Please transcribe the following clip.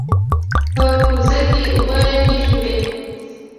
په کوزه کې اوبه لږې وې.